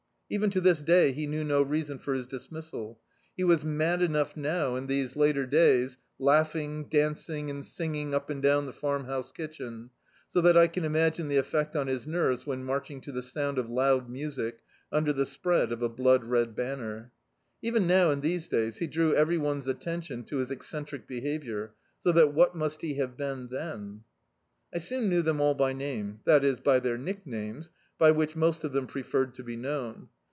Even to this day, he knew no reason for his dismissal. He was mad enough (256] D,i.,.db, Google The Farmhouse now, in these later days, laug^ng, dancing and sing ing up and down the Farmhouse kitchen, so that I can imagine the effect on his nerves when marching to the sound of loud music, under the spread of a blood red banner. Even now, in these days, he drew every one's attention to his eccentric behaviour, so that what must he have been then? I soon knew them all by name, that is, by their nicknames, by which most of them preferred to be known.